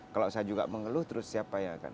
kalau saya juga mengeluh terus siapa yang akan